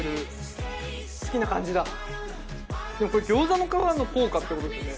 これギョーザの皮の効果ってことですよね？